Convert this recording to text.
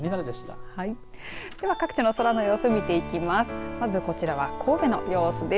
では各地の空の様子見ていきます。